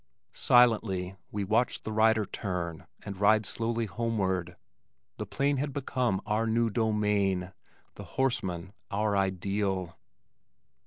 Silently we watched the rider turn and ride slowly homeward. The plain had become our new domain, the horseman our ideal.